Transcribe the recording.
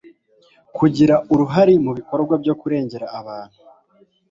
kugira uruhare mu bikorwa byokurengera abantu